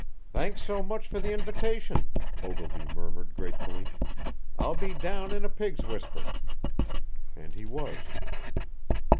"Thanks so much for the invitation," Ogilvy murmured gratefully. "I'll be down in a pig's whisper." And he was.